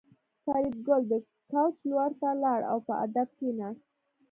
فریدګل د کوچ لور ته لاړ او په ادب کېناست